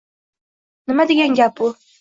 Nima degan gap bu?